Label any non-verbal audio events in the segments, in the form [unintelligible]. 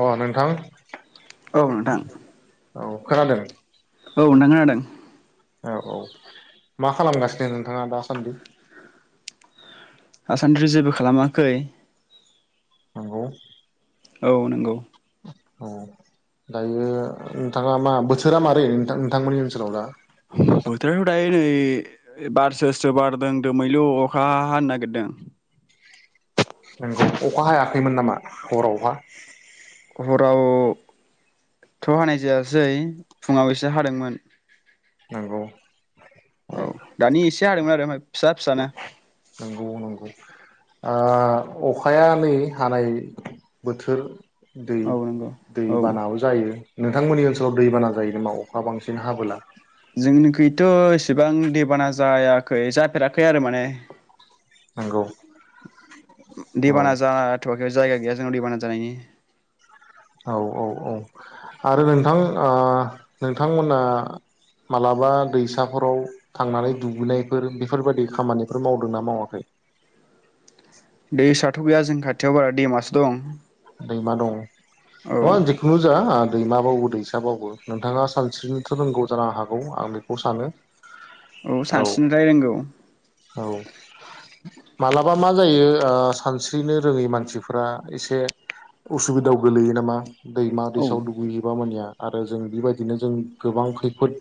अ नोंथां। औ नोंथां। औ खोनादों? औ नोंथां खोनादों। औ औ मा खालामगासिनो नोंथाङा दासान्दि? आसान्थ जेबो खालामाखै। नंगौ। औ नंगौ। औ दायो नोंथाङा मा बोथोरा मारैथ नोंथांमोननि ओनसोलाव दा? दासा बोथोरा दायो ओइ बारसोसो बारदों दोमैलु अखा हा हानो नागिरदों नंगौ अखा हायाखैमोन नामा हरावहा? हराव थ हानाय जायासै फुङाव एसे हादोंमोन। नंगौ। ए औ दानि एसे एसे हादोंमोन आरो फिसा फिसा नो। नंगौ नंगौ आ अखाया नै हानाय बोथोर दै औ नंगौ दै औ बानाबो जायो। नोंथांमोननि ओनसोलाव दैबाना जायो नामा अखा बांसिन हाबोला? जोंनिखथ एसेबां दैबाना जायाखै जाफेराखै आरो माने। नंगौ। औ दैबाना जाथवाखै। जायगा गैया जोंना दैबाना जानायायनि। औ औ औ आरो नोंथां नोंथांमोना मालाबा दैसाफोराव थांनानै दुगैनायफोर बेफोरबायाददि खामानिफोर मावदोंना मावाखै? दै साथ गैया जोंनि खाथियाव बारा दैमासो दं। दै मा दं औ न जेखुनु जा दैमााबावो दैसाबावो नोंथाङा सानस्रिनोथ रोंगौ जानो हागौ आं बेखौ सानो। औ सानस्रिनो लाय रोंगौ। औ मालाबा मा जायो ओ सानस्रिनो रोङै मानसिफोरा एसे उसुबिदायाव गोलैयो नामा? दैमा औ दैसायाव दुगैयोबा मानिया। आरो जों बेबायदिनो जों गोबां खैफोद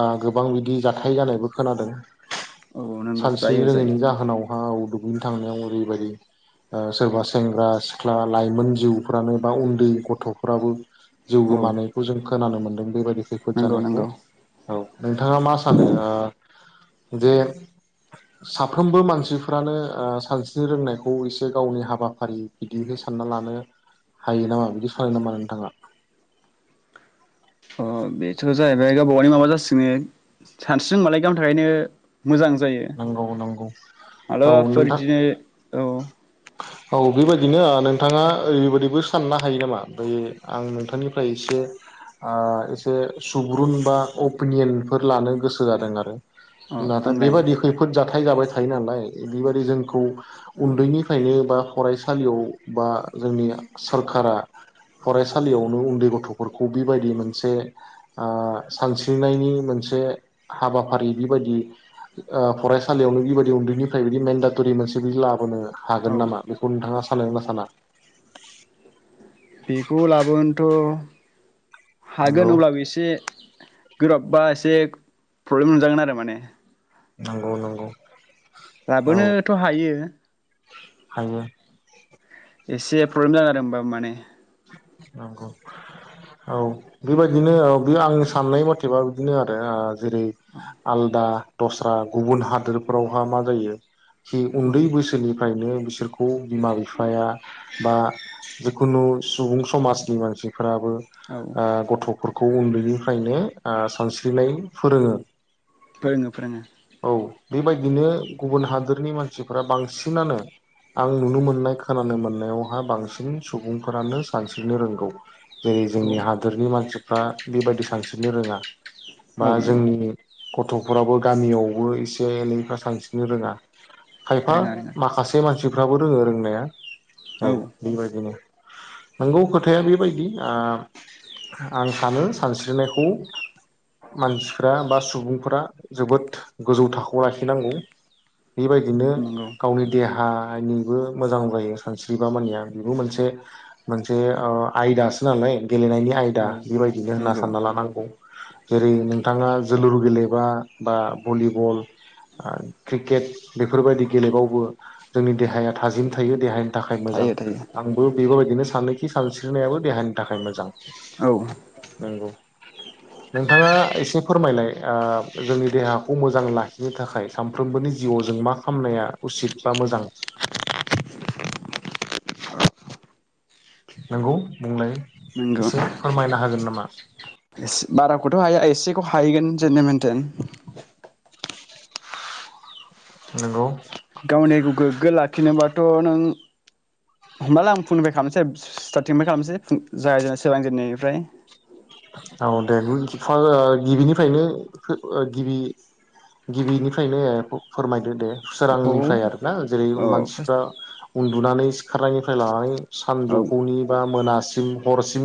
बा गोबां बिदि जाथाय जानायबो खोनादों। औ नंगौ सानस्रि जायो जायो रोङैनि जाहोनावहा दुगैनो थांनायाव ओरैबायदि सोरबा सेंग्रा सिख्ला लाइमोन जिउफ्रानो बा उन्दै गथफोराबो। जिउ औ गोमानायखौ जों खोनानो मोनदों बेबायदि। खैफोद नंगौ जानायखौ नंगौ औ नोंथाङा मा सानो? आ जे साफ्रोमबो मानसिफ्रानो ओ सानस्रिनो रोंनायखौ एसे गावनि हाबाफारि बिदिहै सानना लानो हायो नामा बिदि सानो नामा नोंथाङा? अ बेथ जाहैबाय गावबा गावनि माबा जासिगोन इयो सानस्रिनो रोंबालाय गावनि थाखायनो मोजां जायो नंगौ नंगौ औ माब्लाबाफोर नोंथां बिदिनो औ औ बेबायदिनो ओ नोंथाङा ओरैबायदिबो साननो हायो नामा? बेै आं नोंथांनिफ्राय एसे आ एसे सुबुरुन बा अपिनियनफोर लानो गोसो जादों आरो अ नाथाय बुंलाय बेबादि खैफोद जाथाय जाबाय थायो नालाय बेबादि जोंखौ उन्दैनि उनदैनिफ्रायनो बा फरायसालियाव बा जोंनि सोरखारा फरायसालियावनो उन्दै गथफोरखौ बेबायदि मोनसे आ सानस्रिनायनि मोनसे हाबाफारि बिबायदि ओ फरायसालियावनो बेबायदि उन्दैनिफ्राय बिदि मेनडाटरि मोनसे बिदि लाबोनो औ हागोन नामा बेखौ नोंथाङा सानो ना साना? बेखौ लाबोनथ नंगौ हागोन अब्लाबो एसे गोब्राब बा एसे प्रब्लेम मोनजागोन आरो माने नंगौ, नंगौ औ लाबोनोथ' हायो। हायो एसे प्रब्लेम जागोन आरो होनबाबो माने नंगौ औ बेबायदिनो औ बे आंनि साननाय मथेबा बिदिनो आरो आ जेरै आलदा दस्रा गुबुन हादोरफोरावहा मा जायो जि औ उन्दै बैसोनि उनदैनिफ्रायनो बिसोरखौ बिमा बिफाया बा जिखुनु सुबुं समाजनि मानसि फोराबो औ आ गथ'फोरखौ खौ उन्दैनिफ्रायनो आ सानस्रिनाय फोरोङो। फोरोङो फोरोङो। औ बेबायदिनो गुबुन हादोरनि मानसिफोरा बांसिनानो आं नुनो मोननाय खोनानो मोननायावहा बांसिन सुबुं सुबुंफोरानो सानस्रिनो रोंगौ। जेरै औ जोंनि हादरनि मानसि मानसिफ्रा बेबायदि सानस्रिनो रोङा। औ बा नंगौ जोंनि गथ'फोराबो गामियावबो एसे एनैफ्रा सांस्रिनो रोङा। खायफा रोङा रोङा माखासे मानसि मानसिफ्राबो रोङो रोंनाया। औ ओ बे बायदिनो नंगौ खोथाया बेबायदि आ आं सानो सानस्रिनायखौ मानसिफ्रा बा सुबुंफोरा जोबोद गोजौ थाखोआव लाखिनांगौ। बेबायदिनो नंगौ गावनि देहा आ आयनिबो मोजां जायो सानस्रिबा मानिया बेबो मोनसे मोनसे ओ आयदासो नालाय गेलेनायनि आयदा औ बेबायदिनो होनना नंगौ सानना लानांगौ। जेरै नोंथाङा जोलुर गेलेबा बा भलिबल आ क्रिकेट बेफोरबायदि गेलेबावबो जोंनि देहाया थाजिम थायो देहानि थाखाय मोजां थायो थायो आंबो इफोरबायदिनो सानोखि सानस्रिनायाबो देहानि थाखाय मोजां औ नोंगौ। नोंथाङा एसे फोरमायलाय आ जोंनि देहाखौ मोजां लाखिनो थाखाय सानफ्रोमबोनि जिउआव जों मा खामनाया उसिद बा मोजां। नंगौ बुंलाय। नोंगौ एसे फोरमायनो हागोन नामा? एस बाराखौथ' हाया एसेखौ हाहिगोन जेनबेन टेन नंगौ। गावनिगौ गोग्गो लाखिनोबा थ नों हमनाला आं फुंनिफ्राय खालामनोसै स्टारटिंनिफाय खालामनोसै फुं जायजाय सोरांजेननायनिफ्राय। औ दे गो फा ओ गिबिफ्रायनो ओ गिबि गिबिनिफ्रायनो ए फोरमायदो दे औ सोरांनिफ्राय आरो। ना जेरै फार्स्ट मानसिफ्रा उन्दुनानै सिखारनायनिफ्राय लानानै। औ सानजौफुनि बा मोना सिम हरसिम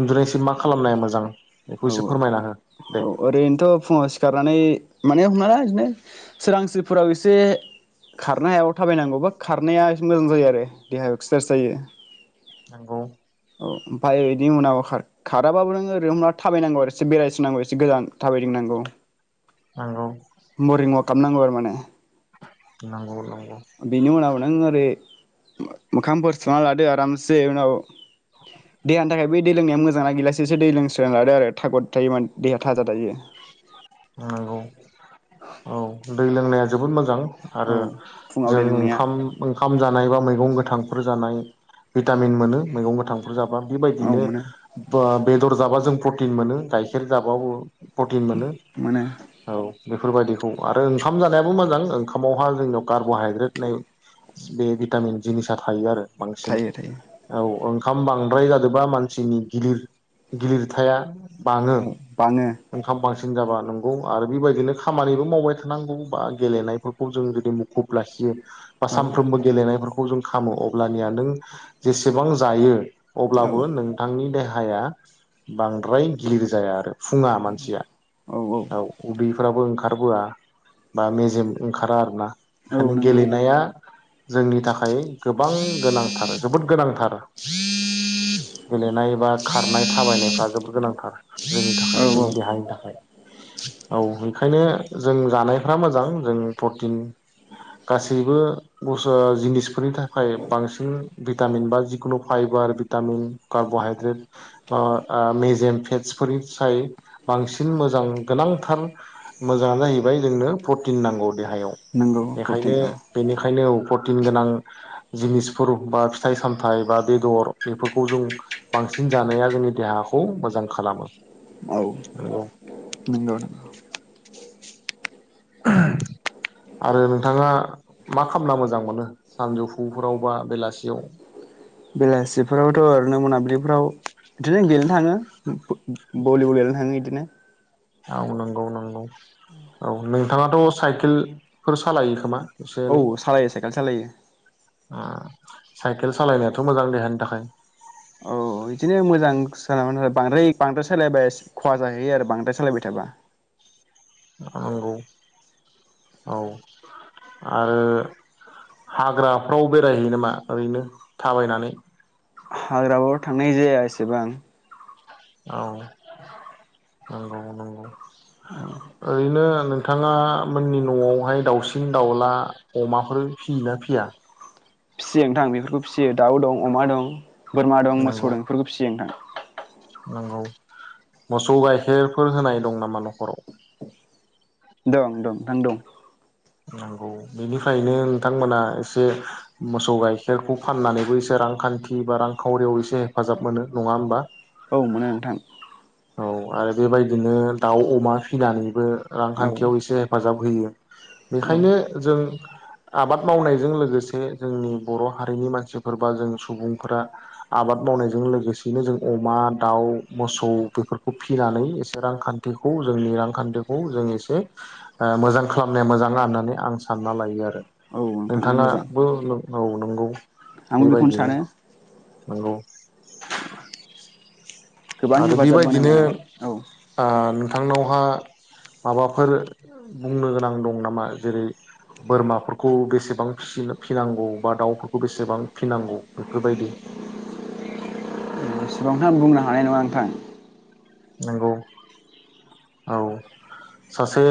उन्दुनायसिम मा खालामनाया मोजां बेखौ औ एसे फोरमायना हो। दे औ ओरैनोथ' फुंआव सि सिखारनानै माने हमना ला इदिनो सोरांसिफोराव एसे खारनो हायाव थाबायनांगौ बा खारनाया एसे मोजां जायो आरो देहायाव एक्सारसाइस जायो। नंगौ। ओमफाय इनि उनाव खार खाराबाबो नों ओरै हमनाला थाबायनांगौ आरो एसे बेरायथिंनांगौ एसे एसे गोजान थाबायदिंनांगौ। नंगौ। मरनिं वाक खालामनांगौ आरो माने। नंगौ नों। बिनि उनाव नों एरै मो मोखांफोर सुना लादो आरामसे उनाव देहानि थाखाय बै दै लोंनाया मोजांना गिलासेसो दै लोंसोना लादो आरो थागद थायो माने देहा थाजा थायो। नंगौ औ दै लोंनाया जोबोद मोजां। औ आरो फुङाव दै जों लोंनाया ओंखाम ओंखाम जानाय बा मैगं गोथां बो जानाय भिटामिन मोनो मैगं गोथां बुरजाब्ला औ बेबायदिनो मोनो बा बेदर जाब्ला जों प्रटिन मोनो गाइखेर जाबाबो प्रटिन मोनो मोनो औ। बेफोरबायदिखौ आरो ओंखाम जानायाबो मोजां, ओंखामावहा जोंनियाव कार्बहाइद्रेट नाय बे भिटामिन जिनिसा थायो आरो। बांसिन थायो थायो औ ओं खाम बांद्राय जादोबा मानसिनि गिलिर गिलिरथाया बाङो औ बाङो। इनकाम बांसिन जाबा नंगौ आरो बेबायदिनो खामानिबो मावबाय थानांगौ बा गेलेनायफोरखौ जों जुदि मुखुब लाखियो बा औ सानफ्रोमबो गेलेनायफोर खौ जों खामो अब्लानिया नों जेसेबां जायो औ अब्लाबो नोंथांनि देहा या बांद्राय गिलिर जाया आरो फु औ औ उदै फोराबो ओंखारबोआ बा मेजेम ओंखारा आर ना। औ खालि नंगौ गेलेनाया जोंनि थाखाय गोबां गोनांथार जोबोद गोनांथार गेलेनाय बा खारनाय थाबायनायफ्रा जोबोद गोनांथार जोंनि औ थाखाय औ जों देहानि थाखाय औ। खायनो जों जानायफ्रा मोजां जों प्रटिन गासैबो गस जिनिसफोरनि थाखाय बांसिन भिटामिन बा जिखुनु फाइबार भिटामिन कार्बहाइद्रेट अ आ मेजेम फेटसफोरनि साय बांसिन मोजां गोनांथार मोजाङानो जाहैबाय जोंनो प्रटिन नांगौ। देहायाव नंगौ प्रटिन बेखायनो औ बेनिखायनो उफद प्रटिन गोनां जिनिसफोर बा फिथाइ सामथाइ बा बेदर बेफोरखौ जों बांसिन जानाया जोंनि देहाखौ मोजां खालामो। औ नंगौ। नंगौ। आरो नोंथाङा मा खामना मोजां मोनो सानजौफुफोराव बा बेलासियाव? बेलासिफोरावथ' ओरैनो मोनाबिलिफोराव बिदिनो गेलेनो थाङो। भु-भु-भलिबल गेलेनो थाङो इदिनो। औ नंगौ नंगौ औ नोंथाङाथ साइकेलफोर सालायो खोमा एसे औ एनै सालायो साइकेल सालायो ओ साइकेल सालायनायाथ मोजां देहानि थाखाय औ औ बिदिनो मोजां सालाबानो बांद्राय बांद्राय सालायबाय खहा जाहैयो आरो बांद्राय सालायबाय थाबा नंगौ औ आरो हाग्राफ्राव बेरायहैयो नामा ओरैनो थाबायनानै हाग्रायाव थांनाय जाया एसेबां औ नंगौ नंगौ ओरैनो नोंथाङा मोननि न'आवहाय दाउसिन दाउला अमाफोर फियोना फिया? फिसियो नोंथां बेफोरखौ फिसियो दाउ दं अमा दं। बोरमा दं नंगौ मोसौ दं इफोरखौ फिसियो नोंथां। नंगौ। मोसौ गाइखेरफोर होनाय दं नामा न'खराव? ओं दं। नंगौ। बेनिफ्रायनो नोंथांमोना एसे मोसौ गाइखेरखौ फाननानैबो एसे रांखान्थि बा रांखावरियाव एसे हेफाजाब मोनो। नङा होमबा? औ मोनो नोंथां। औ आरो बेबायदिनो दाउ अमा फिनानैबो औ रांखान्थियाव एसे हेफाजाब होयो। औ बेखायनो जों आबाद मावनायजों लोगोसे जोंनि बर' हारिनि मानसिफोर बा जों सुबुंफोरा आबाद मावनायजों लोगोसेयैनो जों अमा, दाउ, मोसौ बेफोरखौ फिनानै एसे रांखान्थिखौ जोंनि रांखान्थिखौ जों एसे ओ मोजां खालामनाया मोजां ना होननानै आं सानना लायो आरो। औ नोंथां मोजां नोंथाङाबो नों औ नंगौ। आंबो बेखौनो बेबायदिनो सानो नंगौ। [inaudible] गोबां आरो हेफाजाब मोनो बेबायदिनो माने औ ओ थांनावहा माबाफोर बुंनो गोनां दं नामा जेरै बोरमाफोरखौ बेसेबां फि-फिनांगौ बा दाउफोरखौ बेसेबां फिनांगौ बेफोरबायदि? बेसेबांखौ आं बुंनो हानाय नङा नोंथां। नंगौ औ सासे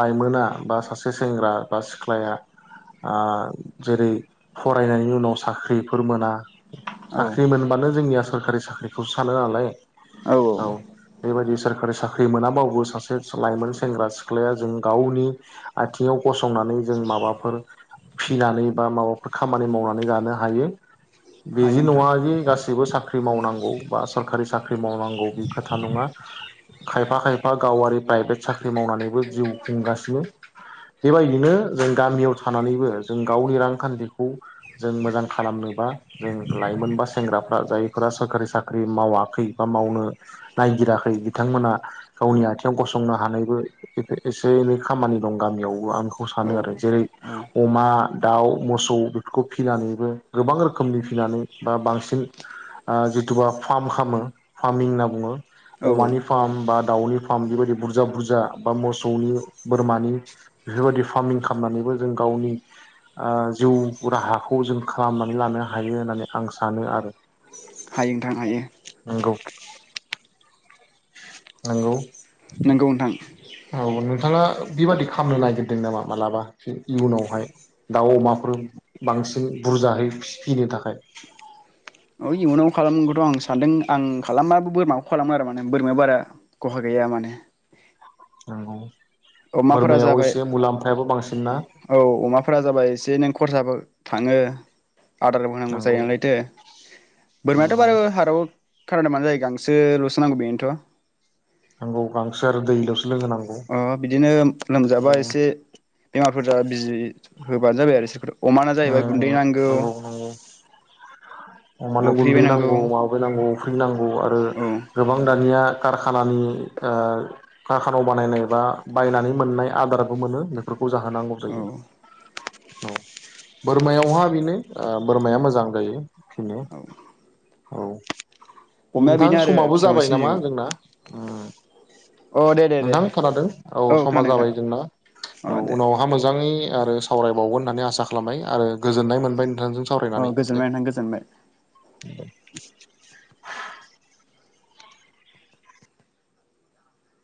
लाइमोना बा सासे सेंग्रा बा सिख्लाया ओ जेरै फरायनायनि उनाव साख्रिफोर मोना औ साख्रि मोनबानो जोंनिया सोरखारि साख्रिखौसो सानो नालाय। औ औ बेबायदि सोरखारि साख्रि मोनाबाबो सासे लाइमोन सेंग्रा सिख्लाया जों गावनि आथिङाव गसंनानै जों माबाफोर फिनानै बा माबाफोर खामानि मावनानै जानो हायो हायो बेजि नोंथां नङाजि गासैबो साख्रि मावनांगौ बा सरखारि साख्रि मावनांगौ। खोथा नङा खायफा खायफा गावारि प्राइभेट साख्रि मावनानैबो जिउ खुंगासिनो बेबायदिनो जों गामियाव थानानैबो जों गावनि रांखान्थिखौ जों मोजां खालामनोबा जों लाइमोन बा सेंग्राफ्रा जायफोरा सोरखारि साख्रि मावाखै बा मावनो नायगिराखै बिथांमोना गावनि आथिङाव गसंनो हानायबो एसे एनै खामानि दं गामियावबो आं बेखौ औ सानो आरो जेरै औ अमा दाउ मोसौ बेफोरखौ फिनानैबो गोबां रोखोमनि फिनानै बा बांसिन ओ जिथुबा फार्म खालामो फार्मिं होनना बुङो। औ औ अमानि फार्म बा दाउनि फार्म बेबायदि बुरजा बुरजा बा मोसौनि बोरमानि बेफोरबायदि फार्मिं खालामनानैबो जों गावनि ओ जिउ राहाखौ जों खालामनानै लानो हायो होननानै आं सानो आरो। हायो नोंथां हायो। नंगौ नंगौ। नंगौ नोंथां। औ नों थाङा बेबादि खालामनो नागिरदों नामा मालाबा इयुनावहाय दाउ अमाफोर बांसिन बुरजाहै फि-फिनो थाखाय? औ इयुनाव खालामगोनथ' आं सानदों आं खालामबाबो बोरमाखौ खालामो आरो माने बोरमाया बारा खहा गैया माने। नंगौ। अमाफोरा बोरमायाव जाबाय एसे मुलाम्फायाबो बांसिन ना औ अमाफोरा जाबाय एसे नों खरसाबो थांङो। आदारबो होनांगौ नंगौ जायो नालायथो बोरमायाथ' नंगौ बारु हाराव कारन्टा मानो जायो गांसोलसो नांगौ बेनोथ' नंगौ गांसोर दैल' अ बिदिनो लोमजाबा ओ एसे बेमारफोर जा बिजि होबानो जाबाय आरो इसोरखौ अमाना जाहैबाय गुन्दै नांगौ नंगौ नंगौ अमानो अफ्रि गुन्दै बायनांगौ नांगौ माबो नांगौ फैलां आरो औ गोबां दानिया कारखानानि कारखानायाव बानायनाय बा बायनानै मोननाय आदाराबो मोनो बेफोरखौ फुजा जाहोनांगौ औ जायो औ बोरमायावहा बेनो बोरमाया मोजां जायो औ [unintelligible] औ। अमाया नोंथां बेनो आरो समाबो फिसा जाबाय बांसिन नामा जिउ जोंना अ दे दे दे नोंथां खोनादों औ समा खोनादों नोंथां जाबाय जोंना औ अ दे उनावहा मोजाङै आरो सावरायबावगोन होन्नानै आसा खालामबाय आरो गोजोननाय मोनबाय नोंथां अ गोजोनबाय नोंथां गोजोनबाय। [unintelligible]